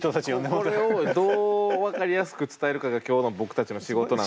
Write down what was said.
これをどう分かりやすく伝えるかが今日の僕たちの仕事なんですけど。